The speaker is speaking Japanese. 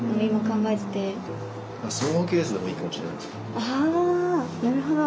あなるほど！